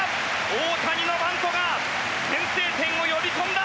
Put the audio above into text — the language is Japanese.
大谷のバントが先制点を呼び込んだ！